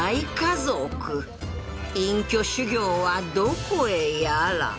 隠居修行はどこへやら